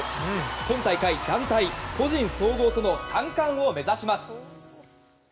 今大会、団体、個人総合との３冠を目指します。